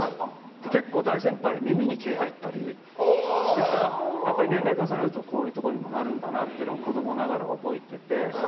結構、大先輩耳に毛が生えたりしてて年齢を重ねるとこういうところに出るんだなと子供ながら覚えていて。